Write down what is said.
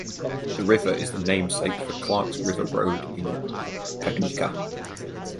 The river is the namesake for Clarks River Road in Paducah.